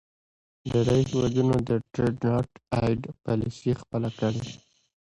ډیری هیوادونو د Trade not aid پالیسي خپله کړې.